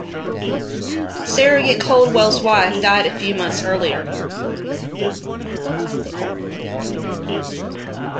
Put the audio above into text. Sergeant Coldwell's wife died a few months earlier.